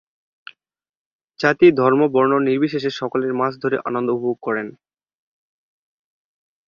জাতি-ধর্ম-বর্ণ নির্বিশেষে সকলেই মাছ ধরে আনন্দ উপভোগ করেন।